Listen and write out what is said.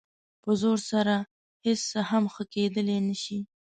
په زور سره هېڅ څه هم ښه کېدلی نه شي.